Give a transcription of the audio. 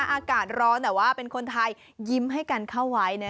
อากาศร้อนแต่ว่าเป็นคนไทยยิ้มให้กันเข้าไว้